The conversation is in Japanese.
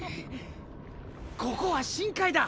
ここは深海だ！